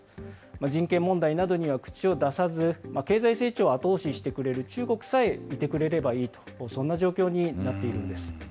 人権問題などには口を出さず、経済成長を後押ししてくれる中国さえいてくれればいいと、そんな状況になっているんです。